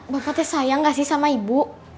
bapak teh sayang nggak sih sama ibu